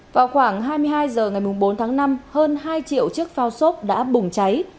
vào khoảng hai mươi hai h ngày bốn tháng năm hơn hai triệu chiếc phao xốp đã bùng cháy